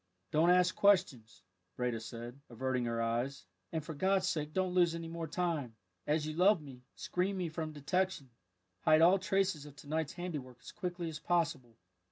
"Don't ask questions," Breda said, averting her eyes, "and for God's sake don't lose any more time. As you love me, screen me from detection; hide all traces of to night's handiwork as quickly as possible."